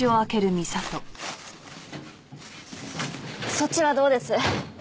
そっちはどうです？